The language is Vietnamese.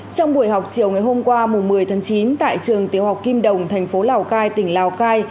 trong buổi học chiều ngày hôm qua một mươi tháng chín tại trường tiểu học kim đồng thành phố lào cai tỉnh lào cai